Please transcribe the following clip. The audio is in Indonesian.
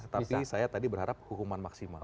tetapi saya tadi berharap hukuman maksimal